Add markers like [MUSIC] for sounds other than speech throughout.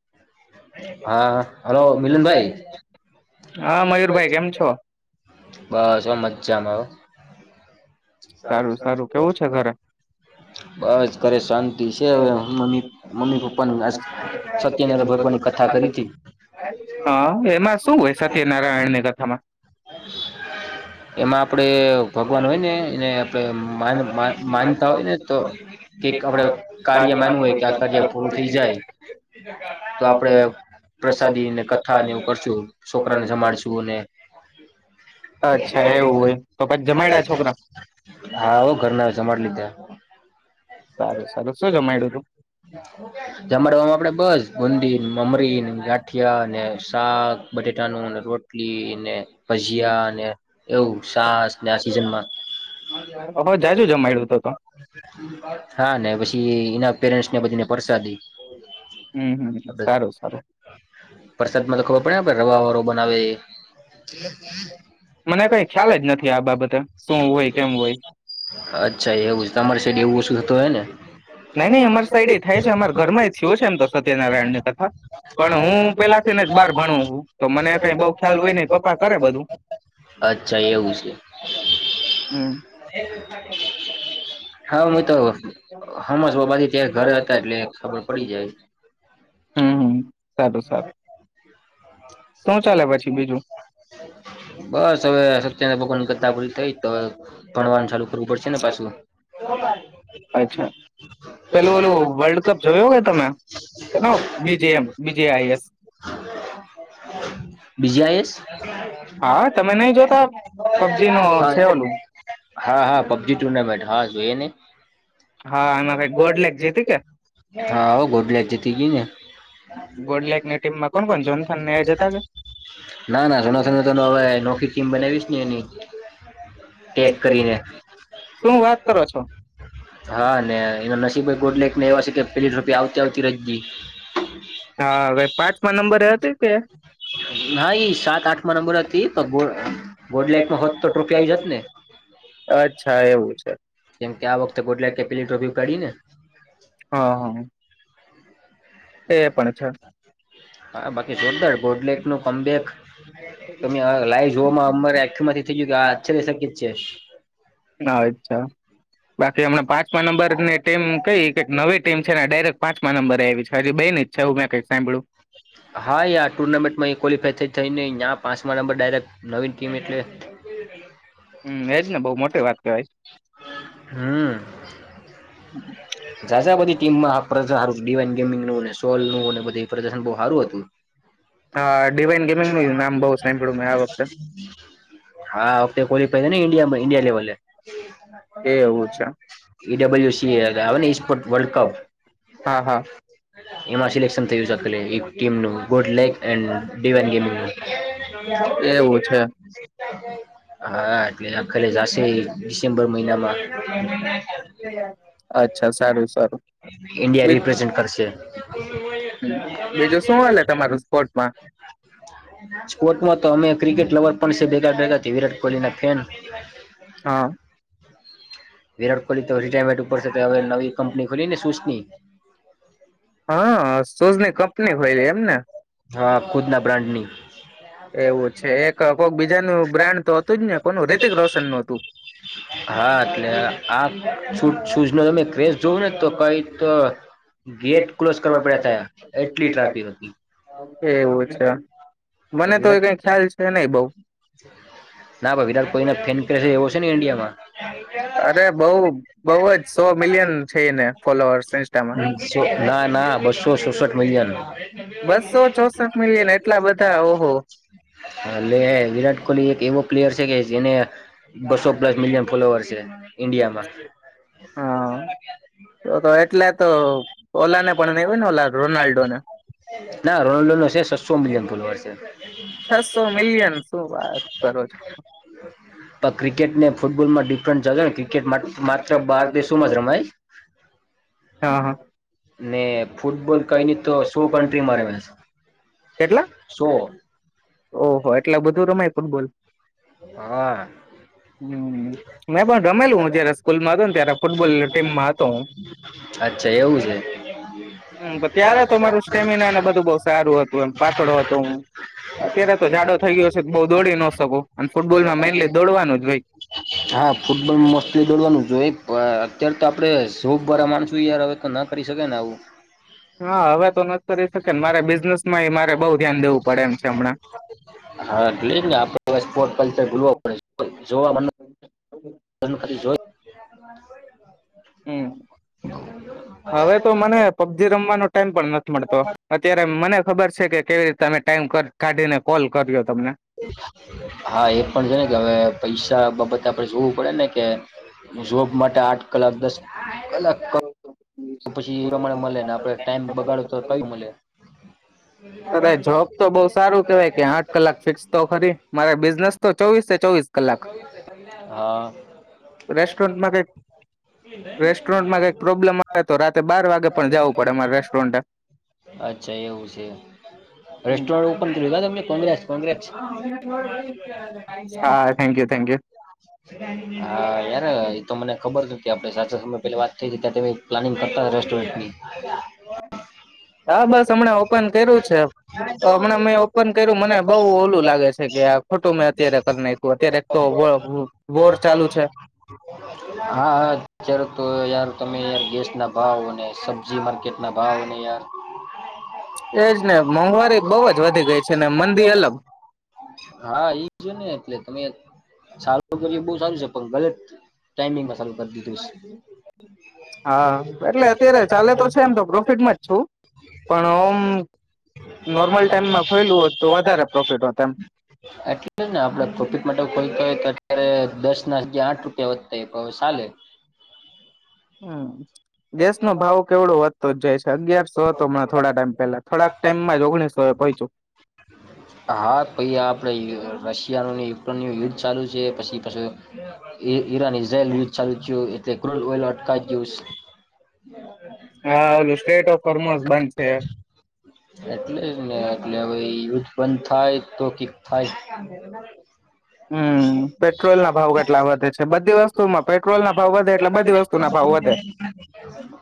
[INAUDIBLE] હા હલો મિલિન ભાઈ બસ મજામા બસ ઘરે શાંતિ છે હવે મમ્મી મમ્મી પપ્પા સત્યનારાણ ભગવાનની કથા કરી હતી એમાં આપડે ભગવાન હોય ને માન માન માનતા હોય ને તો કે આપડ કાર્ય માનવું હોય કે આ કાર ઓલું થઈ જાય તો આપડે પ્રસાદી ને કથાને એવું કરશું છોકરા ને જમાડશુ ને હા આવો ઘરના જમાડી લીધા સારું સારું શું જમાયડું તું જમાડવામાં આપડે બસ બુંદી મમરી ગાંઠિયાને શાક બટેટાનું રોટલી ને ભજીયા ને એવું સાસ ને આ સીઝનમાં હા ને પછી એના પેરેન્ટ્સ ને બધીને પરસાદી પરસાદમાં તો ખબર પડે રવા વારો બનાવે અચ્છાવ તમારી સાઈડ નાય નઈ અમારે સાઈડ એ થાય [UNINTELLIGIBLE] અચછા એવું છે હા હમ જ બબળીયે ત્યારે ઘરે હમ હમ સારું સારું બસ હવે સત્યનારાયણની ભગવાનની કથા પૂરી થઈ તો હ ભણવાનું ચાલુ કરવું પડશે ને પાછું અચ્છા પેલું ઓલું વર્લ્ડ કપ જોયયો કે તમે બીજીમ બીજી આઈસ બીજી આયેશ હા હા પબજી ટુર્નામેન્ટ હા જોઈ ને હા ગોડલેક જીતી ગયુને ના ના જોનાથલ હવે નોખી ટીમ બનાવીશ ને એની ટેક કરીને- [UNINTELLIGIBLE] હા હવે પાંચમાં નંબરે હતી ના એઈ સાત આઠ નંબર હતી પણ ગોડલેક હોત તો ટ્રોફી આવી જત ને કેમકે આ વખતે હા હા [INAUDIBLE] એ પણ છે હચ્છા બાકી હમણા પાંચમા નંબરની ટીમ કઈ નવી ટીમ છે ડાયરેક્ટ પાંચમા નંબરે આવી હા ટુર્નામેન્ટમાં ક્વોલિફાઈ થ થઈ પાંચમા નંબર ડાયરેક નવીન ટીમ એટલે હમ એજ ને બહ મોટી વાત કવાય. [INAUDIBLE] [UNINTELLIGIBLE] [UNINTELLIGIBLE] ને બધું બવ હારું હતુ [UNINTELLIGIBLE] હા અમને [UNINTELLIGIBLE] ઇન્ડિયા લેવલે. ઇન્ડિયા [UNINTELLIGIBLE] હા હા એમાં સિલેક્શન થયું છે [UNINTELLIGIBLE] ટિમ નું [UNINTELLIGIBLE] હા એટ પહેલે જશે ડિસેમ્બર મહિનામાં ઇન્ડિયા રિપ્રેઝેન્ટ કરશે. કોટમાં તો અમે ક્રિકેટ લવર પણ છે ભેગા ભેગા વિરાટ કોહલી ના ફેન. હા. વિરાટ કોહલી તો રિટાયરમેન્ટ ઉપર હવે નવી કંપની ખોલીને સુની, હા કુદના બ્રાન્ડની. [INAUDIBLE] હા. આપ [UNINTELLIGIBLE] શૂઝ નો ત કસ જોવને તો કઈ તો ગેટ ક્લો કરવા પ થયા એટલી ટાફિક હતી, ના વિરાટ કોહલી ફવ છે ને ડિયામાં [UNINTELLIGIBLE] અરે બઉ બઉુ જ ના ના બસો સોસઠ મિલિયન એલે વિરાટ કોહલી એક એવો પ્લેયર છે કે જેને બસો પ્લસ મિલિયન ફોલોવર છે. ઇન્ડિયામાં. ના રોનાલ્ડો નો છે છસો મિલિયન ફુલવાર છે [UNINTELLIGIBLE] ક્રિકેટને ફૂટબોલમાંડી જજો ને ક્રિકેટ માત્ર બાર દેશોમાં જ રમાય, ને ફૂટબોલ કઈની તો સો કન્ટ્રીમાં રમે છે સો. ઓહો એટલે બધું રમાય ફૂટબોલ હા અચ્છા એવું છે અત્યારે તો જાડો થઈ ગયો છે તો બઉુ દોડી ન શકું અને ફૂટબોલ માં મેઈનલી દોડવાનું જ હોય હા ફૂટબોલ મસ્તલી દોડવાનું હોય જો અત્યારે તો આપડે સૌ ભરા માણસો યાર હવે તો કરી શકાઈ ને આવું [UNINTELLIGIBLE] હા એટલે આપડપટ કલ્ચરલ પડે છે જોવા [UNINTELLIGIBLE] [UNINTELLIGIBLE] હમ હવે તો મને પબજી રમવાનો ટઈમ પણ નથી મળતો અત્યારે મને ખબર છે કે કેવી રીતે તમે ટાઈમ કાઢીને કોલ કર્યો હા એ પણ છે ને કે હવે પૈસા બાબત ત જવું પડે ને કે ખુબ મોટા આઠ ક્લાક પછી એ પ્રમાણે મળેને આપણે ટાઈમ બગાડો તો કય મળે [UNINTELLIGIBLE] હા રેસ્ટોરન્ટમાં કઈક રેસ્ટોરન્ટમાં કઈક પ્રોબ્લેમ આવે તો રાતે બાર અચ્છા એવું છે રેસ્ટોરન્ટ ઓપ કર તમ કોંગ્રેસ કોંગ્રેસ હા એ તો મને ખબર આપણે સાચો સમય પેલા વાત થઈ જતા પ્લાનિગ [INAUDIBLE] ટોની હાર તોયાર [UNINTELLIGIBLE] તમે યાર ગેસ ના ભાવ સબજી માકેટ ના ભાવ [UNINTELLIGIBLE] હા એ જોને એટલે તમે સારું કરીએ બહુ સાનું છે પણ ગલત ટાઈમિંગ હ સારું કરી દીધીશ છે [UNINTELLIGIBLE] હા [UNINTELLIGIBLE] એટલેને આપ પ્રોફિટ માટે ખોલતા હોય તો અત્યારે દસ નાગ આઠ રૂપિયા વધતા હો હવેલે હમ હા પાઈ આપડે રશ ચાલો ને યુટન યુદ્ધ ચાલુ છે પી પછી ઈરાન ઈઝરાયલ યુદ્ધ ચાલુયું એટલે ક્રુડ ઓઇલ અટકાવ ગયું હા ઓલું સ્ટેટ ઓફ કરમોસ બંધ છે જ ને એટલે હવે યુથ બંધ થાય તો થાય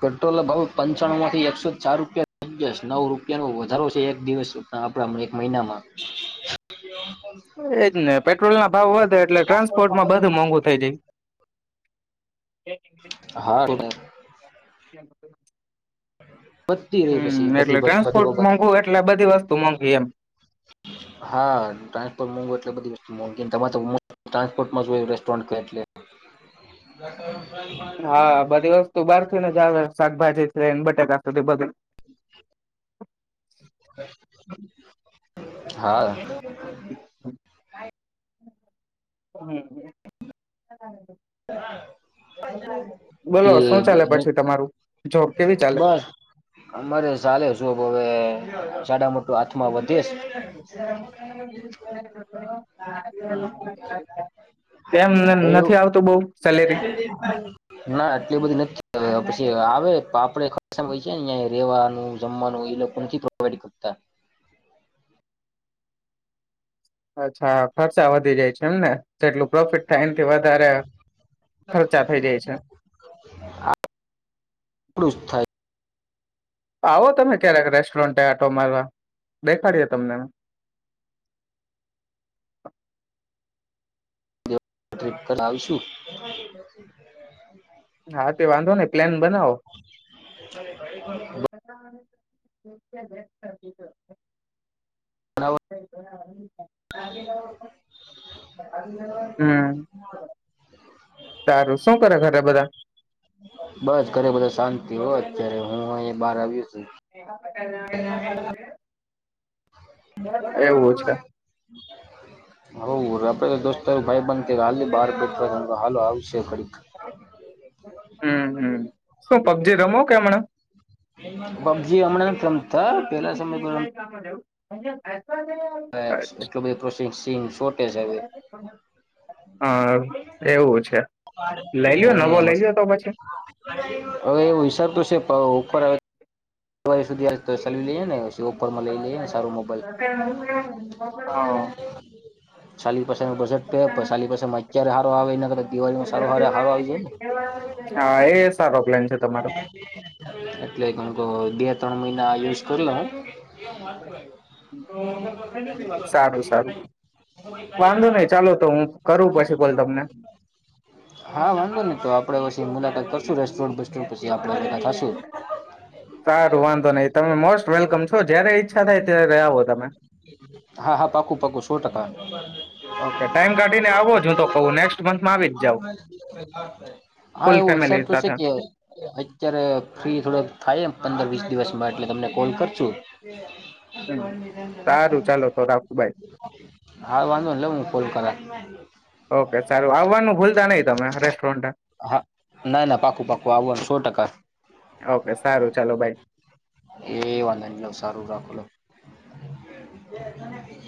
પેટ્રોલનો ભાવ પંચાણું માંથી એકસો ચાર રૂપિયા થઈ ગયા છે નવ રૂપ રૂપિયા નો વધારો છે એક દિવસ આપણા એક મહિનામાં [INAUDIBLE] એજ ને પેટ્રોલ ના ભાવ વધે એટલે ટ્રાન્સપોર્ટમાં બધું મોંઘુ થઇ જાય હા રે [INAUDIBLE] વધતી રહી પછી બધ બધી બાબત હા ટ્રાન્સપોુંટ એટલે બધી [UNINTELLIGIBLE] કી તમારે ટ્રાન્સપોર્ટમાં રેસ્ટોરન્ટ ક એટલે હા બધી વસ્તુ બહારથી ને જ આવે શાકભાજી ને બટેકા સુધી બગડે [INAUDIBLE] હા હ બોલો શું ચાલે પછી તમારું બસ અમારે ચાલેશે હો તેમ નથી આવતું બઉ સેલેરી તો પછી [INAUDIBLE] હવે પાપડે ખય છે રેવાનું જમણુ એ લોકો નથી [UNINTELLIGIBLE] ત અચ્છા ખર્ચા વધી જાય છે એમ ને તો એટલું પરફેક્ટ ટાઈમ કે વધારે ખર્ચા થઈ જાય છે આવો તમે ક્યારેક રેસ્ટોરન્ટ આટો મારવા દેખાડીએે તમને ટ્રીપ કર આવ છું હા તે વાંધો ને પ્લન બનાવો [INAUDIBLE] હમ તારું શું કરે ઘરે બધા બસ ઘરે બધા શાંતિ હો અત્યારે હું અહી બહાર આવયુ શુ [UNINTELLIGIBLE] [UNINTELLIGIBLE] પેલો દોસ્તાર ભાઈબંધ તેવો હાલી ને બાર બેટ હાલો આવ શેકરી હમ શું પબજી રમો કેમણા [UNINTELLIGIBLE] [INAUDIBLE] એટલું બધ પ્રોસેસ સીન શોટેજ હવે હમ હવે વિચાર તો છે ઉપર આવે દિ સુધી ચલી લઈએ ને પછી ઓફરમાં લઈ લઈએેને સારું મોબાઈલ સાાલી પાસે બજેટાલી પામાં અત્યારે સારો આવે કર દિવાળમાં સારાર જાય એટલે બે ત્રણ મહિના યુઝ કરી લઉ હું હા વાંધો નહી તો આપડે મુલાકાત કરશું રેસ્ટોરન્ટ પછી આપપલધ ચશું [INAUDIBLE] સારું વાંધો નહિ તમે મોસ્ટ વેલકમ છો જયારે ઈચ્છા થાય ત્યારે આવો તમે પાકુ સો ટકા હા એવો હિશાર તો છે કે અત્યારે ફ્રી થોડક થાય એમ પંદર વીસ દિવસમાં એટલે તમને કોલ કર છું હા વાંધો લો હું કોલ કરા [INAUDIBLE] [INAUDIBLE] ઓકે સારું આવવાનું ભૂલતા નહી તમે રેસ્ટોરન્ટ ઓકે. એ વાંધા ન લઉ સારું રાખુ લો [INAUDIBLE] [INAUDIBLE]